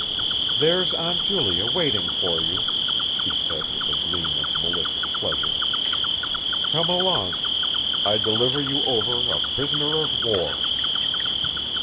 "There's Aunt Julia waiting for you," she said with a gleam of malicious pleasure. "Come along. I deliver you over a prisoner of war."